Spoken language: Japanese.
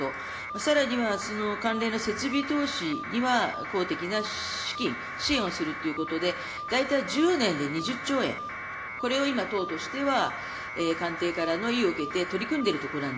さらには、関連の設備投資には公的な資金、支援をするということで、大体１０年で２０兆円、これを今、党としては官邸からの意を受けて取り組んでいるところなん